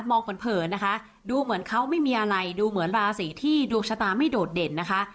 เผินนะคะดูเหมือนเขาไม่มีอะไรดูเหมือนราศีที่ดวงชะตาไม่โดดเด่นนะคะ